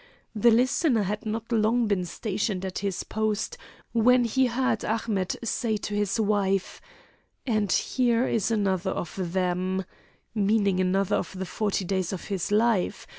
The listener had not long been stationed at his post when he heard Ahmet say to his wife: "And here is another of them," meaning another of the forty days of his life.